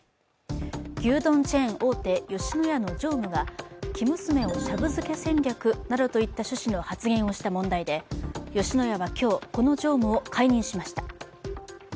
牛丼チェーン大手、吉野家の常務が生娘をシャブ漬け戦略などといった趣旨の発言をした問題で吉野家は今日、この常務を解任しました。